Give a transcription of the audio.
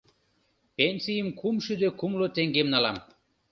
Пенсийым кумшӱдӧ кумло теҥгем налам...